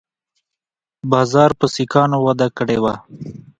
بازار په سیکانو وده کړې وه